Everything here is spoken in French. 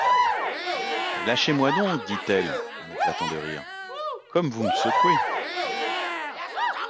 Mais lâchez-moi donc! dit-elle en éclatant de rire, comme vous me secouez !